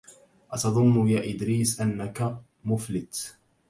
أتظن يا إدريس أنك مفلت